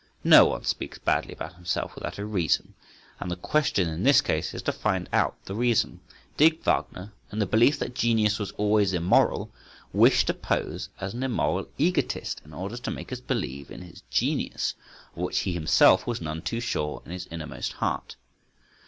No one speaks badly about himself without a reason, and the question in this case is to find out the reason. Did Wagner—in the belief that genius was always immoral—wish to pose as an immoral Egotist, in order to make us believe in his genius, of which he himself was none too sure in his innermost heart?